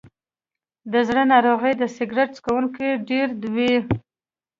د زړه ناروغۍ د سګرټ څکونکو کې ډېرې وي.